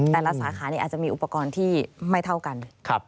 แต่ละสาขาอาจจะมีอุปกรณ์ที่ไม่เท่ากัน